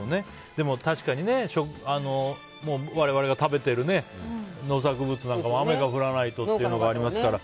でも、確かに我々が食べている農作物なんかも雨が降らないとっていうのがありますから。